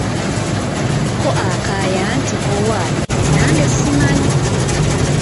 Ko Akaya nti:"owaye nange simanyi'